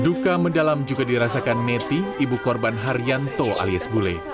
duka mendalam juga dirasakan neti ibu korban haryanto alias bule